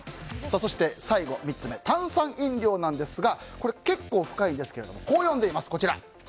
そして、最後３つ目炭酸飲料なんですがこれ、結構深いんですけどこう呼んでいます。